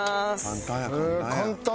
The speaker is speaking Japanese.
簡単やね。